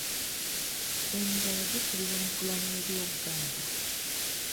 Emibala gikubibwa mu kulanya eri Obuganda.